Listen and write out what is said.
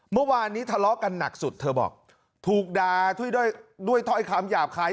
เมื่อวานนี้ทะเลาะกันหนักสุดเธอบอกถูกด่าด้วยด้วยถ้อยคำหยาบคาย